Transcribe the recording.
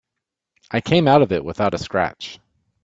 I came out of it without a scratch.